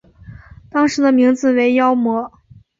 当时的名字为妖魔。